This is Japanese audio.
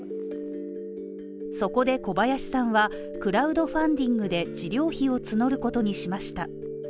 そこで小林さんは、クラウドファンディングで治療費を募ることにしました。